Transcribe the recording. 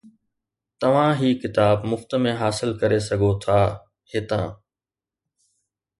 توھان ھي ڪتاب مفت ۾ حاصل ڪري سگھو ٿا ھتان